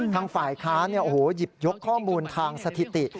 ทางฝ่ายค้าหยิบยกข้อมูลทางสถิติ